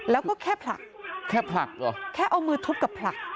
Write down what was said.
แล้วก็แค่ผลักแค่เอามือทุบกับผลัก